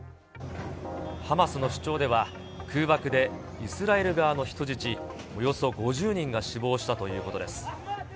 ハマスの主張では、空爆でイスラエル側の人質およそ５０人が死亡したということです。